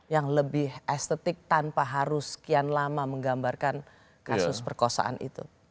yang lebih estetik tanpa harus sekian lama menggambarkan kasus perkosaan itu